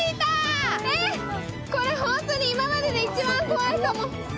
これホントに今まで一番怖いかも！